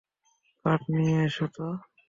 কাঠ নিয়ে এসো তো।